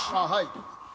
はい。